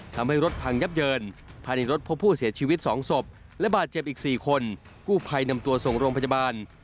ทำให้รถพังยับเยินภายในรถพบผู้เสียชีวิต๒ศพและบาดเจ็บอีก๔คนกู้ภัยนำตัวส่งโรงพยาบาล